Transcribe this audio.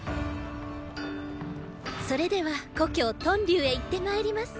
それでは故郷“屯留”へ行って参ります。